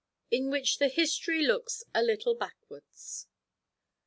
_In which the history looks a little backwards.